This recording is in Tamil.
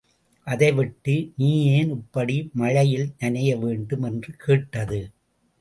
அதைவிட்டு நீ ஏன் இப்படி மழையில் நனையவேண்டும்? என்று கேட்டது.